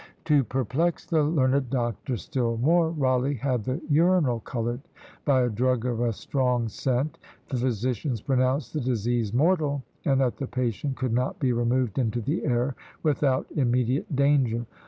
To perplex the learned doctors still more, Rawleigh had the urinal coloured by a drug of a strong scent. The physicians pronounced the disease mortal, and that the patient could not be removed into the air without immediate danger.